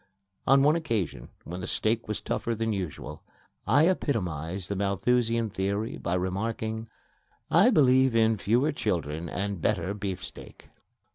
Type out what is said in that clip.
On one occasion when the steak was tougher than usual, I epitomized the Malthusian theory by remarking: "I believe in fewer children and better beefsteak!"